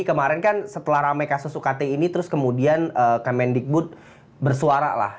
kemarin kan setelah ramai kasus ukt ini terus kemudian kemendikbud bersuara lah